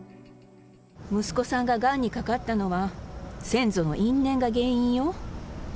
息子さんががんにかかったのは、先祖の因縁が原因よ。